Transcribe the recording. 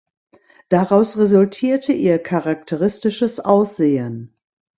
Daraus resultierte ihr charakteristisches Aussehen.